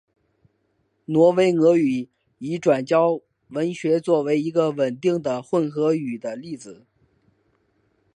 挪威俄语已转交文学作为一个稳定的混合语的例子。